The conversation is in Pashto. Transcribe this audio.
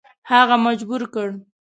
هغه مجبور کړ.